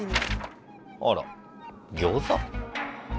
あらギョウザ？